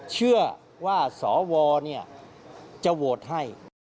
เชื่อว่าสวจะโหวตให้